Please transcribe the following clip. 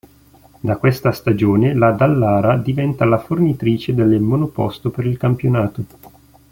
Da questa stagione la Dallara diventa la fornitrice delle monoposto per il campionato.